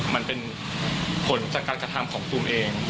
มันเป็นผลจากการกระทำของตูมเอง